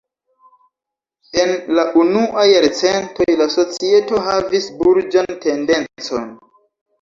En la unuaj jarcentoj la societo havis burĝan tendencon.